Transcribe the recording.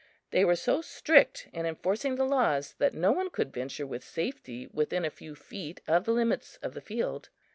They were so strict in enforcing the laws that no one could venture with safety within a few feet of the limits of the field.